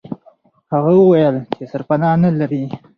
هغه وویل چې سرپنا نه لري.